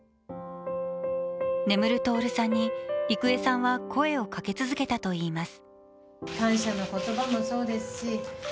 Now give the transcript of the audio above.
眠る徹さんに郁恵さんは声をかけ続けたといいます。